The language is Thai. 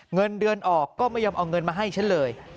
เงินเดือนออกก็ไม่ยอมเอาเงินมาให้ฉันเลย